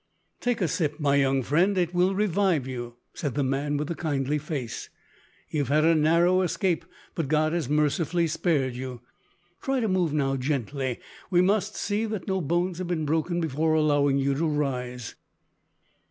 "Take a sip, my young friend, it will revive you," said the man with the kindly face. "You have had a narrow escape, but God has mercifully spared you. Try to move now; gently we must see that no bones have been broken before allowing you to rise."